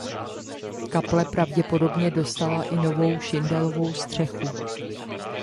Kaple pravděpodobně dostala i novou šindelovou střechu.